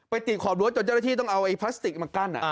ติดขอบรั้วจนเจ้าหน้าที่ต้องเอาไอ้พลาสติกมากั้น